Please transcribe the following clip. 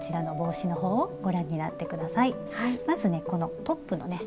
まずねこのトップのね